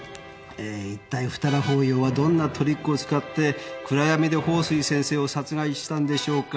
いったい二葉鳳翆はどんなトリックを使って暗闇で鳳水先生を殺害したんでしょうか？